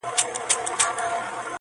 له ښار او کلي وتلی دم دی؛